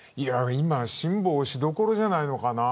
今は辛抱のしどころじゃないかな。